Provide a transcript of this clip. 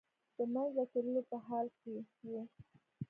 د منځه تللو په حال کې و.